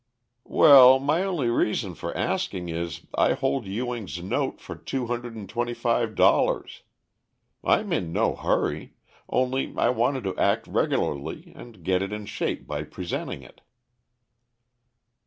"Well, my only reason for asking is I hold Ewing's note for two hundred and twenty five dollars. I'm in no hurry, only I wanted to act regularly and get it in shape by presenting it."